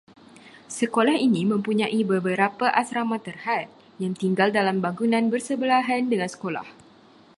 Sekolah ini mempunyai beberapa asrama terhad, yang tinggal dalam bangunan bersebelahan dengan sekolah